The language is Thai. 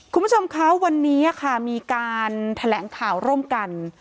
คุณผู้ชมคะวันนี้ค่ะมีการแถลงข่าวร่วมกัน